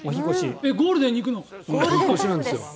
ゴールデンに行くの？